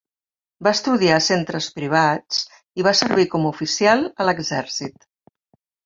Va estudiar a centres privats i va servir com a oficial a l'exèrcit.